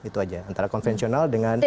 itu aja antara konvensional dengan